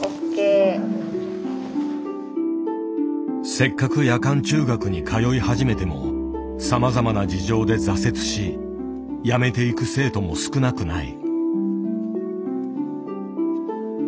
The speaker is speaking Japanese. せっかく夜間中学に通い始めてもさまざまな事情で挫折しやめていく生徒も少なくない。